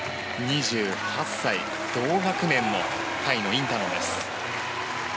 ２８歳、同学年のタイのインタノンです。